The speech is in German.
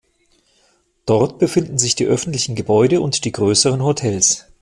Dort befinden sich die öffentlichen Gebäude und die größeren Hotels.